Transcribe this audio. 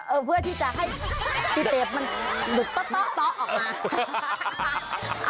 เอ่อเพื่อที่จะให้ติเตี๋บมันหลุกเตราออกมา